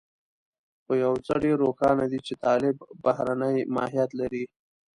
خو يو څه ډېر روښانه دي چې طالب بهرنی ماهيت لري.